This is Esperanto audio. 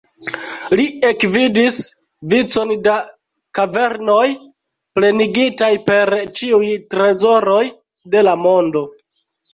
Li ekvidis vicon da kavernoj, plenigitaj per ĉiuj trezoroj de la mondo.